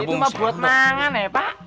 itu mah buat nangan ya pak